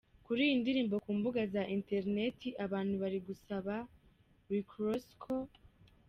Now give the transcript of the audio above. kuri iyi ndirimbo ku mbuga za interineti, abantu bari gusaba Rick Ross ko.